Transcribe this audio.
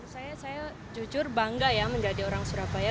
saya jujur bangga ya menjadi orang surabaya